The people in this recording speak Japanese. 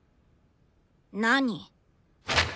何？